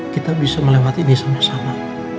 kita bisa melewati ini sama sama